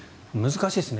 難しいですね